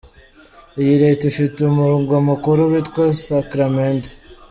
Iyi Leta ifite umurwa mukuru witwa Sacramento.